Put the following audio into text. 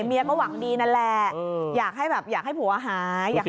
เมียก็หวังดีนั่นแหละอยากให้ผัวหายอยากให้อาการดีขึ้น